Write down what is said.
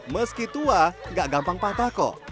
meski tua gak gampang patah kok